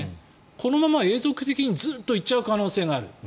このまま永続的にずっと行っちゃう可能性がある。